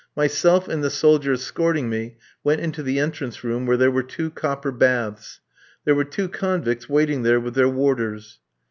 Myself and the soldier escorting me went into the entrance room, where there were two copper baths. There were two convicts waiting there with their warders.